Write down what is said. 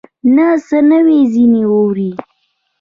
نه څه نوي ځینې اورې